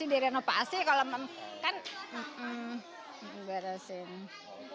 ya emang pengen sih digusur